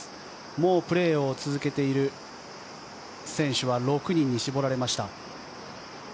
もうプレーを続けている選手は６人に絞られました。